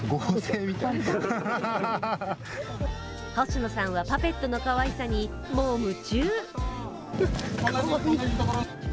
星野さんはパペットのかわいさに、もう夢中。